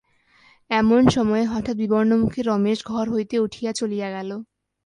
এমন সময়ে হঠাৎ বিবর্ণমুখে রমেশ ঘর হইতে উঠিয়া চলিয়া গেল।